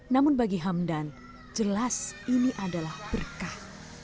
namun bagi hamdan jelas ini adalah berkah